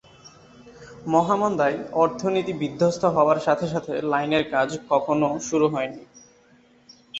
মহামন্দায় অর্থনীতি বিধ্বস্ত হওয়ার সাথে সাথে লাইনের কাজ আর কখনও শুরু হয়নি।